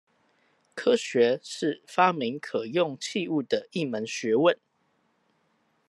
科學是發明可用器物的一門學問